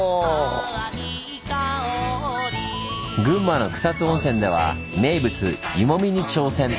群馬の草津温泉では名物「湯もみ」に挑戦。